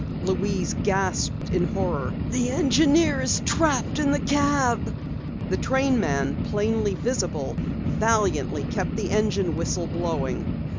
Louise gasped in horror. "The engineer's trapped in the cab!" The trainman, plainly visible, valiantly kept the engine whistle blowing.